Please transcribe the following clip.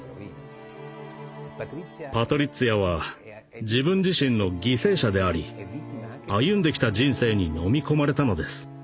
パトリッツィアは自分自身の犠牲者であり歩んできた人生にのみ込まれたのです。